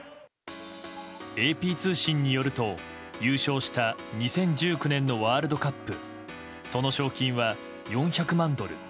ＡＰ通信によると、優勝した２０１９年のワールドカップその賞金は４００万ドル